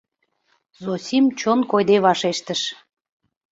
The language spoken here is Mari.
— Зосим чон койде вашештыш.